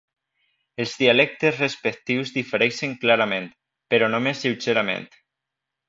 Els dialectes respectius difereixen clarament, però només lleugerament.